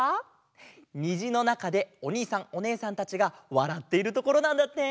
にじのなかでおにいさんおねえさんたちがわらっているところなんだって。